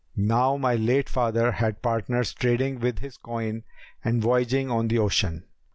Now my late father had partners trading with his coin and voyaging on the ocean.